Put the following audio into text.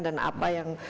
dan apa yang